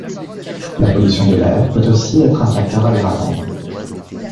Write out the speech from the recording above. La pollution de l'air peut aussi être un facteur aggravant.